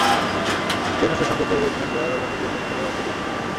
Train আসার সংকেত পেয়ে গেটম্যানরা লোহার প্রতিবন্ধক ফেলে আটকে দিয়েছেন যানবাহন।